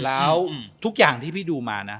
แล้วทุกอย่างที่พี่ดูมานะ